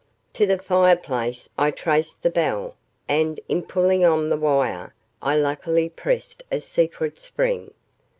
To the fireplace I traced the bell, and, in pulling on the wire, I luckily pressed a secret spring.